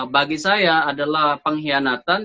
bagi saya adalah pengkhianatan